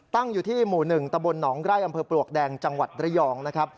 อยู่ที่หมู่๑ตะบลหนองไร่อำเภอปลวกแดงจังหวัดระยองนะครับ